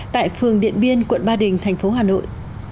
tại phường điện biên quận ba đình thành phố hà nội